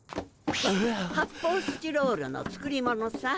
発泡スチロールの作り物さ。